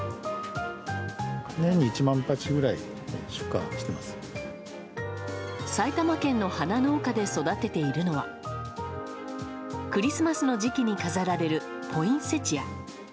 年に１万鉢ぐらい出荷してい埼玉県の花農家で育てているのは、クリスマスの時期に飾られるポインセチア。